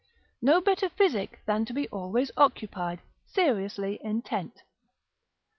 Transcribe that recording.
No better physic than to be always occupied, seriously intent.